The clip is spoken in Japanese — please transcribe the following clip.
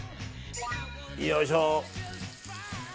よいしょ。